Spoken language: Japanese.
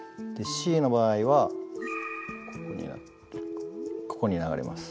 Ｄの場合はここに流れます。